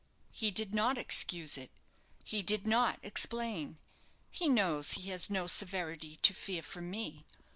"He did not excuse it; he did not explain; he knows he has no severity to fear from me.